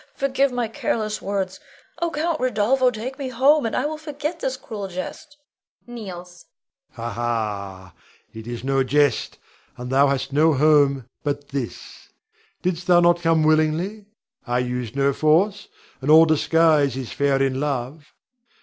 Forgive my careless words! Oh, Count Rodolpho, take me home, and I will forget this cruel jest [kneels]. Rod. Ha, ha! It is no jest, and thou hast no home but this. Didst thou not come willingly? I used no force; and all disguise is fair in love.